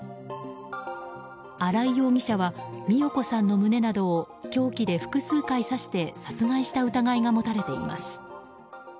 新井容疑者は美代子さんの胸などを凶器で複数回刺して殺害した疑いが持たれています。